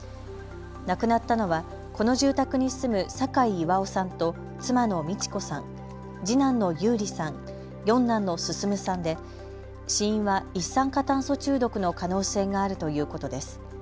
亡くなったのはこの住宅に住む酒井巌さんと妻の道子さん、次男の優里さん、四男の進さんで死因は一酸化炭素中毒の可能性があるということです。